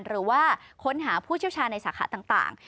หรือว่าค้นหาผู้เชี่ยวชาญในสาขาต่าง